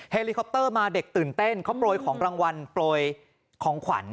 เฮลิคอปเตอร์มาเด็กตื่นเต้นเขาโปรยของรางวัลโปรยของขวัญ